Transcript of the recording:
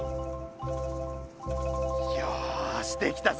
よしできたぞ！